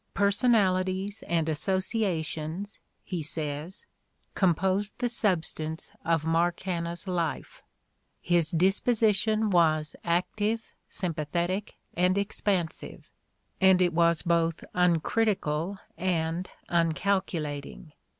"Personalities and associations," he says, "com posed the substance" of Mark Hanna 's life; "his dispo sition was active, sympathetic, and expansive; and it was both uncritical and unealculating.